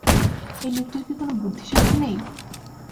এই লোকটির কি কোনো বুদ্ধিাশুদ্ধি নেই?